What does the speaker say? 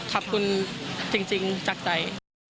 ขอบคุณจริงจากใจ